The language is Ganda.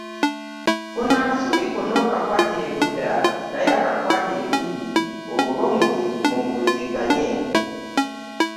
Funa akasubi konna okakwate eludda naye akakwate eluuyi, olwo mubuuzaganye.